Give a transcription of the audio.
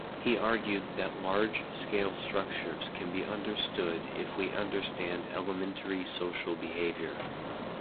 He argued that large-scale structures can be understood if we understand elementary social behavior.